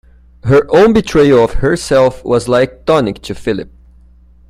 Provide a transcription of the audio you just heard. Her own betrayal of herself was like tonic to Philip.